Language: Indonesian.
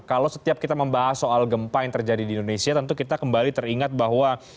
kalau setiap kita membahas soal gempa yang terjadi di indonesia tentu kita kembali teringat bahwa